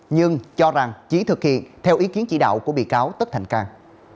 nhưng cho rằng chỉ thực hiện theo ý kiến chỉ đạo của bị cáo tất thành cang